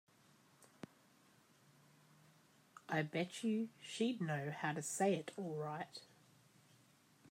I bet you she'd know how to say it all right.